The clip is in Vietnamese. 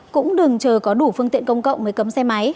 cũng đừng chờ có đủ phương tiện công cộng mới cấm xe máy